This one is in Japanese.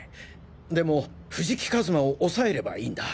でも藤木一馬を押さえればいいんだ。